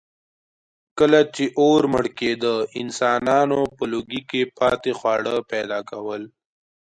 کله چې اور مړ کېده، انسانانو په لوګي کې پاتې خواړه پیدا کول.